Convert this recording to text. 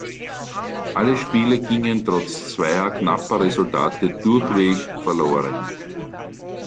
Alle Spiele gingen trotz zweier knapper Resultate durchweg verloren.